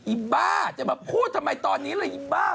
อ้าจะมาพูดทำไมตอนนี้เลยอีบ้า